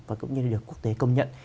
và cũng như được quốc tế công nhận